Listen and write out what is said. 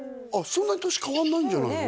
そんなに年変わんないんじゃないの？